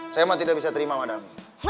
saya mah tidak bisa terima madam